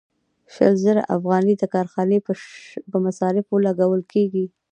شل زره افغانۍ د کارخانې په مصارفو لګول کېږي